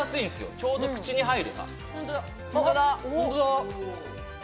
ちょうど口に入る。